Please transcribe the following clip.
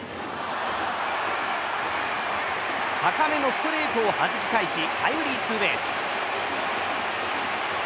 高めのストレートをはじき返しタイムリーツーベース。